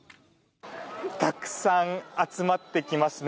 たくさん集まってきますね。